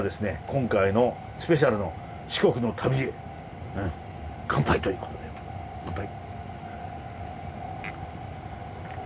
今回のスペシャルの四国の旅へ乾杯ということで乾杯。